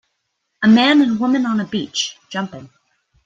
A man and woman on a beach, jumping.